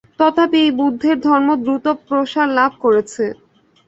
তথাপি এই বুদ্ধের ধর্ম দ্রুত প্রসার লাভ করেছে।